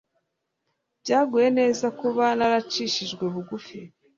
byanguye neza kuba naracishijwe bugufi